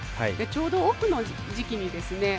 ちょうどオフの時期にですね